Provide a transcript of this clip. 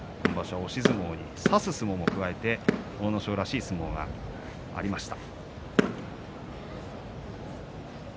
押し相撲に差す相撲を加えて阿武咲らしい相撲になりました。